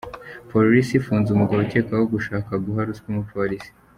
Polisi ’ifunze’ umugabo ukekwaho gushaka guha ruswa umupolisi.